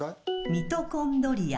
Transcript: ミトコンドリア。